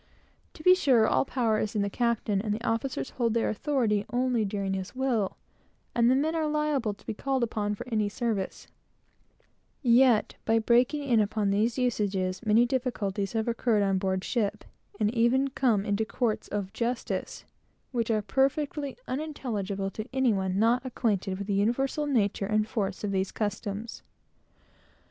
To be sure, all power is in the captain, and the officers hold their authority only during his will; and the men are liable to be called upon for any service; yet, by breaking in upon these usages, many difficulties have occurred on board ship, and even come into courts of justice, which are perfectly unintelligible to any one not acquainted with the universal nature and force of these customs.